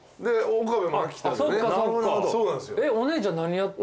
お姉ちゃん何やって。